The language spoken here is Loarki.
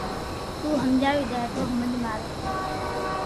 تو ھمجاوي ديئي دو تو ھمج مي آوي